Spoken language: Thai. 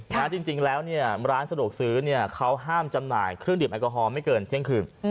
จริงแล้วเนี่ยร้านสะดวกซื้อเนี่ยเขาห้ามจำหน่ายเครื่องดื่มแอลกอฮอลไม่เกินเที่ยงคืน